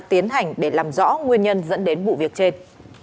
tiến hành để làm rõ nguyên nhân dẫn đến vụ việc trên